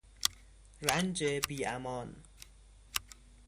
رنج بی امان